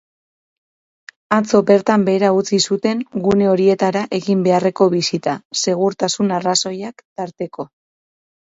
Atzo bertan behera utzi zuten gune horietara egin beharreko bisita segurtasun arrazoiak tarteko.